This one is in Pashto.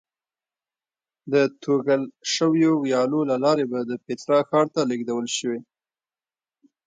د توږل شویو ویالو له لارې به د پیترا ښار ته لېږدول شوې.